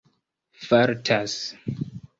fartas